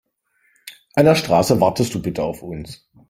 An der Straße wartest du bitte auf uns.